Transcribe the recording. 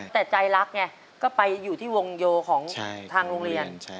แต่ใจรักไงก็ไปอยู่ที่วงโยของทางโรงเรียน